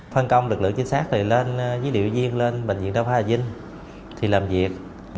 phân công lực lượng chính xác thì lên với liệu viên lên bệnh viện đông hoa hà vinh thì làm việc